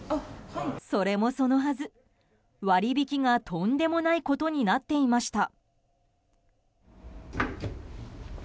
それもそのはず、割引がとんでもないことになっていました。